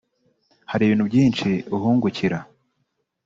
hari ibintu byinshi uhungukira